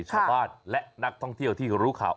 ชาวบ้านและนักท่องเที่ยวที่รู้ข่าว